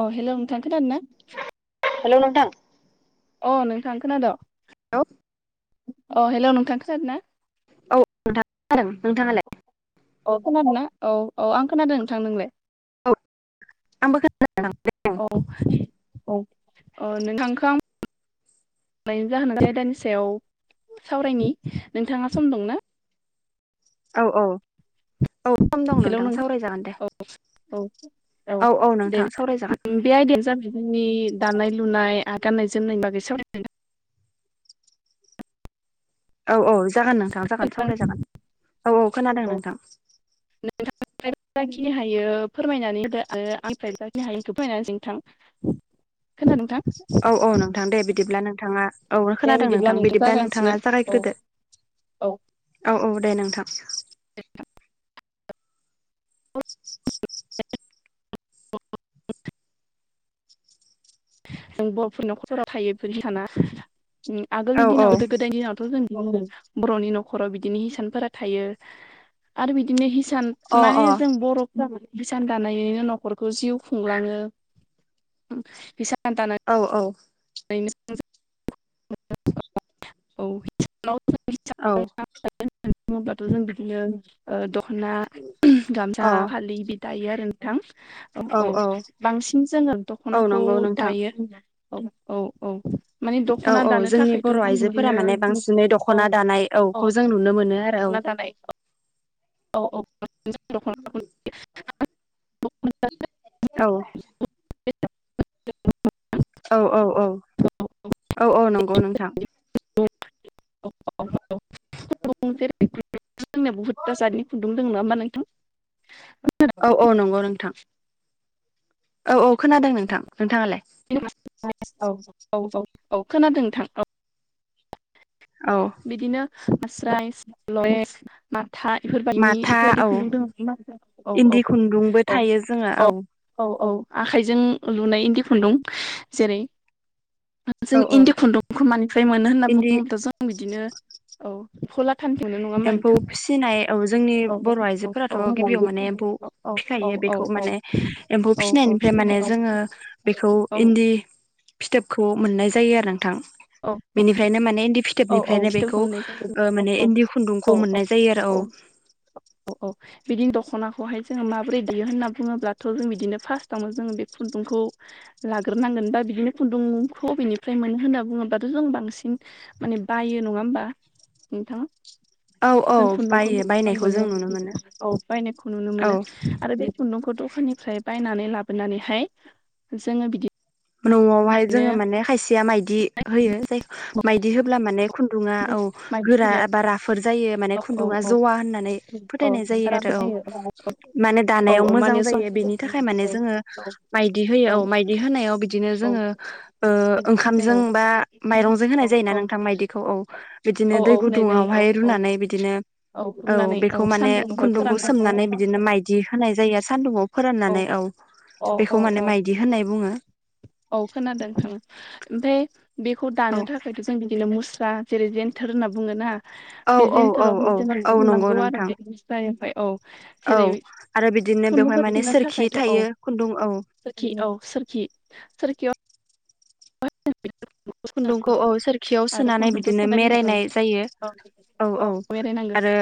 अ hello नोंथां खोनादों ना? हेलौ नोंथां। अ नोंथां खोनाद'? हेल' अ हेल' नोंथां खोथादों ना औ नोंथां खोनादों नोंथाङालाय औ खोनादोंना औ औ आं खोनादों नोंथां नोंलाय औ आंबो खोनादों औ औ ओ नोंथांख हरनायनि जाहोनाय आदानि सायाव सावरायनि नोंथाङा सम दंना औ औ औ सम दं नोंथां सावरायजागोन दे औ औ औ औ नोंथाङा सावरायजागोन बे आयदायानो जाबाय जोंनि दानाय लुनाय गाननाय जोमनाय बागैसो सावरायगोन नोंथां औ औ जागोन नोंथां जागोन सावराय जागोन औ औ खोनादों नोंथां आंफ्राय जाखिनि हायो फोरमायनानैो आरो आंनिफ्राय जाखिनि हायोखौ फोरमायनानै जों थां [unintelligible] खोना नोंथां औ औ नोंथां दे बिदिब्ला नोंथाङा औ दे खोनादों नोंथां बिदिब्ला जागायनोसै नोंथाङा औ जागायग्रोदो औ औ औ दे नोंथां [unintelligible] [unintelligible] आगलि औ औ दिनाावथ गोद दिनाावथ ज बर'नि न'खराव बिदिनो हिसानफोरा थायो आरो बिदिनो हिसान अ अ माने जों बर' भसान दानायनो न'खरखौ जिउ खुंलाङो भसान दानाय औ औ औ नानै बुङोब्लाथ' जों बिदिनो दख'ना अ गामसा फालि बि दायो आरो नोंथां औ औ बांसिन जोङो औ दखनाखौ नंगौ नोंथां दायो आरो औ औ औ माने औ दख'ना औ दानो जोंनि थाखायथ' बर' जों आइजोफोरा माने बिदिनो बांसिनै औ दख'ना दानाय औ औखौ जों नुनो मोनो आरो दख'ना दानाय [unintelligible] औ द औ औ औ औ औ नंगौ नोंथां [unintelligible] [unintelligible] औ औ नंगौ नोंथां औ औ खोनादों नोंथां नोंथाङालाय [inaudible] औ औ औ औ खोनादों नोंथां औ औ [unintelligible] माथा इफोरबायदिनि माथा बेफोरबायदि औ खुन्दुं दङ म औ औ इन्दि खुन्दुंबो औ थायो जोङो औ औ औ औ आखाइजों लुनाय इन्दि खुन्दुं जेरै औ जों औ इन्दि खुन्दुंखौ मानिफ्राय मोनो होनना इन्दि बुङोब्ला जों बिदिनो औ कला एम्फौ फिसिनाय औ जोंनि औ औ बर' औ आइजोफोराथ' औ औ गिबियाव माने एम्फौ औ फिखायो बेखौ माने एम्फौ औ औ फिसिनायनिफ्राय फिथोबनिफ्राय माने औ जोङो बेखौ औ इन्दि फिथोबखौ मोननाय जायो आरो नोंथां बेनिफ्रायनो माने इन्दि औ औ फिथोबनिफ्रायनो फिथोबखौ बेखौ मोननाय जायो औ माने औ इन्दि खुन्दुंखौ मोननाय जायो आरो औ औ औ बिदिनो दख'नाखौहाय जोङो माबोरै देयो होनना बुङोब्लाथ' जों बिदिनो फार्स्टआवनो जोङो बे खुन्दुंखौ लाग्रोनांगोन बा बिदिनो खुन्दुंखौबेनिफ्राय मोनो होनना बुङो होनब बाथ' जों बांसिन माने बायो नङा होमबा नोंथां? औ औ जों बायो खुन्दुंखौबोसां बायनायखौ मोनो जों नुनो मोनो औ बायनायखौ नुनो औ मोनो। आरो बे खुन्दुंखौ दखाननिफ्राय बायनानै लाबोनानैहाय जोङो बिदि न'आवहाय जोङो माने खायसेया माइदि होयो जाय माइदि होब्ला माने खुन्दुङा औ माइदि गोरा होयो बा राफोद जायो माने औ औ खुन्दुङा औ जवा होननानै औ फोथायनाय जायो आरो राफोद औ। होयो माने औ दानायाव औ मोजां माने ज औ जायो बेनि थाखाय माने औ जोङो माइदि होयो औ माइदि होनायाव बि बिदिनो ओ जोङो ओंखामजों बा माइरंजों होनाय औ जायोना औ नोंथां मायदिखौ औ बिदिनो औ दै होनाय जायो गुदुंङावहाय औ रुनानै बिदिनो औ रुनानै बेखौ माने सान्दुंआवहाय खुन्दुंखौ फोराननांगौ सोमनानै बिदिनो आरो माइदि होनाय जायो सान्दुंआव फोराननानै औ औ बेखौ औ माने औ माइदि होननाय बुङो। औ खोनादों ओमफ्राय बेखौ औ दानो थाखाय थ' जों बिदिनो मुस्रा जेरै जन्थोर होनना बुङोना औ बे औ औ जन्थोरावहाय जोङो औ नंगौ बुंनांगौ आरो नोंथां बेटायावहाय औ। औ जेरै आरो बिदिनो खुन्दुंखौ बेवहाय माने थुननो सोरखि थाखायथ' औ थायो खुन्दुं औ। सोरखि औ सोरखि सोरखियाव। द खुन्दुंखौ औ सोरखियाव सोनानै बिदिनो सोनायनि उनाव मरायायनाय जायो। औ औ औ आरो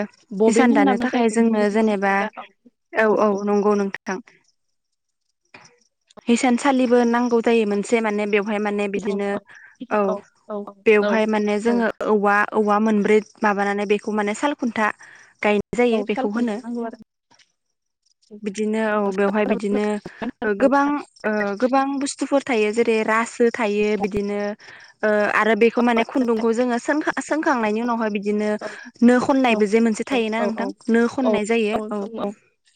हिसान बबिन होनना दानो बुङो थाखाय जायखौ जों जोंङो खुन्दुं जेनेबा। थुनग्रा औ औ औ नंगौ नोंथां। हसानसालिबो नांगौ जायो मोनसे माने बेव हाय माने औ औ बिदिनो औ बेवहाय माने औ जोङो औवा औवा मोनब्रै माबानानै बेखौ माने साल खुन्था गाय औ साल खुन्था नांगौ आरो। बिदिनो औ बेवहाय बिदिनो गोबां गोबां बुस्थुफोर थायो जेरै रासो थायो बिदिनो। आरो बेखौ माने खुन्दुंखौ जोङो सोंखां सोंखांनायनि उनावहाय बिदि बिदिनो नो औ खननायबो जे मोनसे औ थायोना नोंथां नो खननाय जायो औ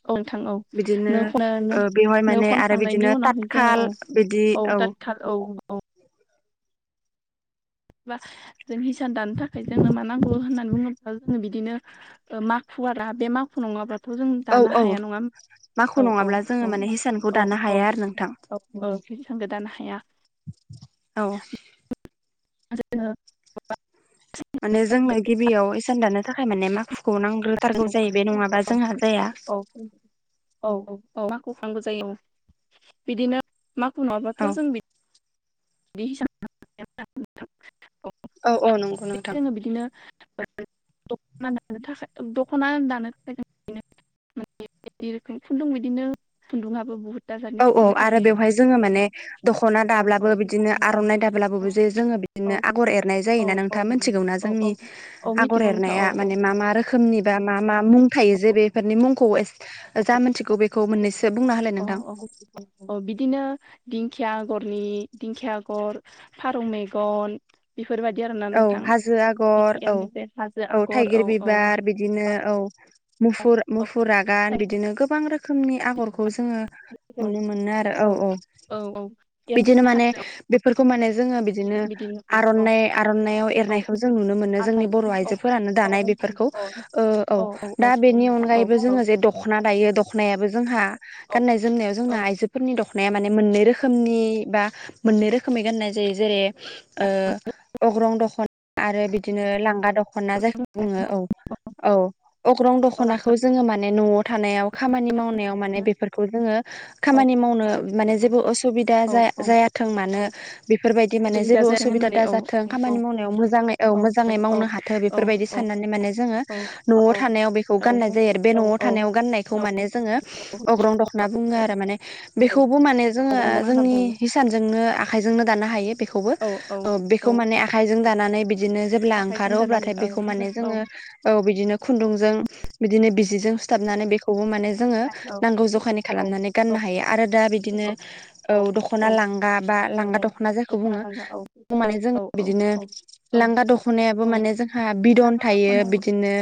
नोंथां औ बिदिनो नो खनो बेवहाय नो माने आरो खनखांनायनि बिदिनो उनावहाय जोङो औ ततखाल बिदि औ। दाथखाल औ औ जों हिसान दानो थाखाय जोङो मा नांगौ होननानै बुङोब्ला जोङो बिदिनो ओ माखु आरो बे माखु नङाब्लाथ' जों औ दानो औ हाया नङा माखु औ औ नङाब्ला जोङो औ माने हिसानखौ औ दानो औ हाया आरो नोंथां औ औ बे सों गो दानो हाया। औ जोङो माने जोंनो गिबियाव इसान दानो थाखाय माने माखु खौ नांग्रोथारगौ जायो बे जोङो नङाबा जोंहा जाया औ औ औ औ माखु नांगौ जायो औ बिदिनो माखु औ नङाब्लाथ' जों बिदि [unintelligible] औ औ नंगौ नोंथां जोङो बिदिनो [unintelligible] दख'ना दानो थाखाय [unintelligible] बिदिनो खुन्दुङाबबो बुहुत दाजारनि औ औ खुन्दुं आरो थायो बेवहाय जोङो माने दख'ना औ औ दाब्लाबो बिदि बिदिनो आर'नाइ दाब्लाबो जे जोङो बिदिनो आगर एरनाय जायो औ ना औ नोंथाङा मोनथिगौना औ औ जोंनि औ आगर मिथिगौ नोंथां औ एरनाया औ माने मा मा रोखोम खोमनि बा मा मा मुं थायो जे बेफोरनि मुंखौ मोन खौ मोननैसो बुंना हालाय नोंथां। औ औ बिदिनो दिंखिया आगरनि दिंखिया आगर फारौ मेगन बेफोरबायदि आरोना औ नोंथां हाजो आगर औ बिदियानो बे हाजो आगर थाइगिर औ औ बिबार बिदिनो औ मुफुर मुफुर औ आगान बिदिनो गोबां रोखो मनि आगरखौ जोङो नुनो मोनो आरो औ औ औ एरनो बिदिनो हानाय माने बेफोरखौ माने जोङो बिदिनो बिदिनो औ आर'नाय आर'नायाव औ एरनायखौ जों नुनो मोनो जोंनि आखाइ बर' औ आइजोफोरानो औ दानाय बेफोरखौ ओ औ दा औ बेनि नोंथां औ अनगायैबो औ जोङो जे दख'ना दायो दख'नायाबो जोंहा गाननाय जोमनायाव औ जोंना औ आइजोफोरनि दख'नाया माने मोननै रोखो मनि बा मोननै रोखोमै गाननाय जायो जेरै ओ अग्रं दख'ना आरो बिदिनो लांगा दख'ना जायखौ बुङो औ औ अग्रं दख'नाखौ जोङो माने न'आव थानायाव खामानि मावनायाव माने बेफोरखौ जोङो औ खामानि मावनो माने जेबो असुबिदा औ जा-जायाथों मानो औ बेफोरबायदि माने उसुबिदा जेबो जादों असुबिदा होननानै औ दाजा औ खानि मावनाय मोजाङै ओ औ औ मोजाङै औ मावनो हाथों बेफोरबायदि औ साननानै माने जोङो न'आव थानायाव बेखौ औ गान्नाय जायो आरो बे न'आव औ औ थानायाव गान्नायखौ माने जोङो अग्रं दखान बुङो आरो माने बेखौबो माने जोङो अग्रं दख'ना होनना जोंनि बुङो हिसानजोंनो आखायजोंनो दानो हायो बेखौबो औ औ ओ बेखौ औ माने आखाइजों दानानै बिदिनो जेब्ला आखाइजों ओंखारो दानानै अब्लाथाय औ बेखौ माने औ जोङो औ बिदिनो खुन्दुंजों बिदिनो बिजिजों सुथाबनानै बेखौबो माने जोङो नांगौ जखानि औ खालामनानै गाननो हायो आरो दा बिदिनो औ दख'ना लांगा बा औ लांगा दख'न जायखौ दख'ना बुङो लांगा औ औ औ बिदिनो औ औ लांगा दख'नायाबो औ माने जोंहा बिदन लांगा थायो दख'नायाबो बिदिनो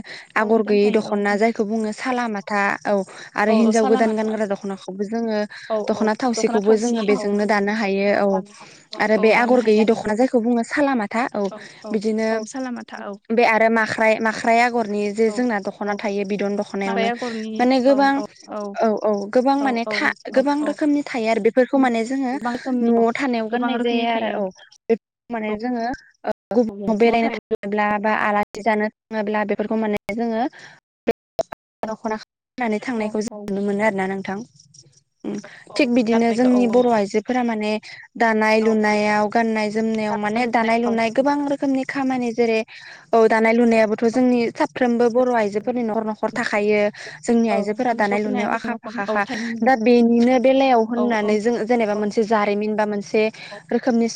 औ आगर बिदन गैयि फायो दख'ना जायखौ बुङो सालामाथा औ आरो औ औ हिनजाव गोदान सालामाथा गानग्रा दख'नाखौबो जोङो औ औ दख'ना थावसिखौबो थावसि जोङो औ बेजोंनो दानो हायो औ आरो औ बे दानो आगर गैयि हायो दख'ना जायखौ आरो बुङो सालामाथा औ औ बिदिनो औ सालामाथा औ बे आरो माख्राइ माख्राइ आगरनि जे औ जोंना औ दख'ना थायो बिदन दख'नायावनो माबाया आगरनि माने औ गोबां औ औ गोबां औ माने था औ औ गोबां औ रोखोमनि थायो आरो बे बेफोरखौ माने जोङो गोबां रोखोमनि औ न'आव थानायाव गोबां गाननाय रोखोमनि जाया थायो आरो औ बे माने औ जोङो ओ औ गुबुनाव न' बेरायनो थानाय था बा आलासि जानो थाङोब्ला बेफोरखौ मोननाय जोङो दख'ना नानै औ थांनायखौ औ जों नुनो मोनो आरोना नोंथां। ओम औ थिग बिदिनो गाननायखौ जोंनि औ बर' औ आइजोफोरा माने दानाय लुनायाव गाननाय जोमनायाव माने दानाय औ औ लुनाय गोबां रोखोमनि खामानि जेरै औ दानाय लुनायाबोथ' जोंनि साफ्रोमबो बर' आइजोफोरनि न'खर न'खर थाखायो। जोंनि औ आइजोफोरा जों दानाय खोनाया लुनायाव आखा जिखुनु खम औ फाखाखा थाइ दा बेनिनो बेलायाव औ औ होननानै जों जेनेबा औ मोनसे जारिमिन बा मोनसे औ रोखोमनि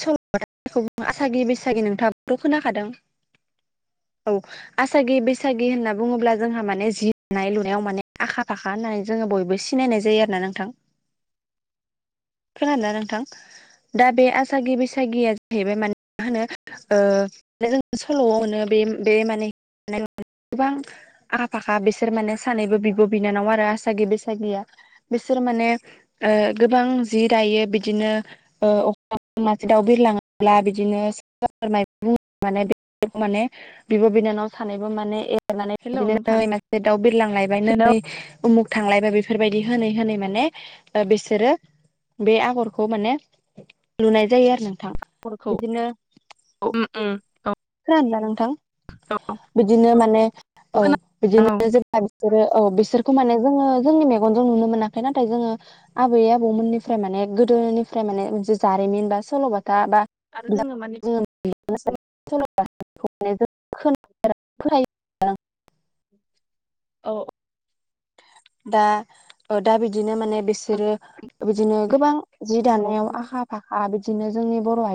जायखौ आसागि बैसागि नोंथाङाबोथ' खोनाखादों? आसागि बैसागि होनना बुङोब्ला जोंहा माने जि दानाय लुनायाव माने आखा फाखा होननानै जोङो बयबो सिनायनाय जायो आरो ना नोंथां। खोनादोंना नोंथां दा बे आसागि बैसागिया जाहैबाय माने मा होनो ओ जों सल'आव मोनो बे बे माने माने गोबां आखा फाखा बिसोर माने सानैबो बिब' बिनानाव आरो आसागि बैसागिया बिसोर माने ओ गोबां जि दायो बिदिनो अखा मासे दाउ बिरलाङो ब्ला बिदिनो सोर सोर माइ माने बेफोरखौ माने बिब' बिनानाव सानैबो माने एरनानै हेलौ बिदिनो नोंथां नै मासे दाउ बिरलां लायबाय नै उमुख थांलायबा बेफोरबायदि होनै होनै माने बिसोरो बे आगरखौ माने लुनाय जायो आरो नोंथां। खरखौ बिदिनो औ औ खोनादोंना नोंथां। [unintelligible] बिदिनो माने औ' खोनादों बिदिनो जेब्ला बिसोरो औ बिसोरखौ माने जोङो जोंनि मेगनजों नुनो मोनाखै नाथाय जोङो आबै आबौमोननिफ्राय माने गोदोनिफ्राय माने जारिमिन बा औ सल'बाथा औ बा' आरो जोङो माने औ 'औ' दा दा बिदिनो माने बेसे बिसोरो बिदिनो गोबां जि औ दानायाव आखा फाखा बिदिनो जोंनि बर' आइ